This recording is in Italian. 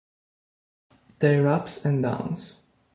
Their Ups and Downs